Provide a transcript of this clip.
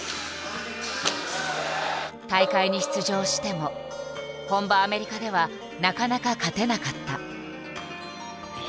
大会に出場しても本場アメリカではなかなか勝てなかった。